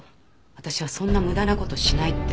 私はそんな無駄な事しないって。